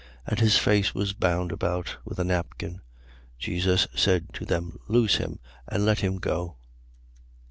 And his face was bound about with a napkin. Jesus said to them: Loose him and let him go.